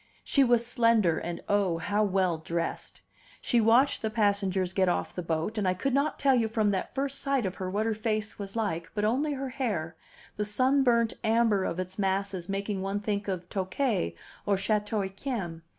She was slender, and oh, how well dressed! She watched the passengers get off the boat, and I could not tell you from that first sight of her what her face was like, but only her hair, the sunburnt amber of its masses making one think of Tokay or Chateau Yquem.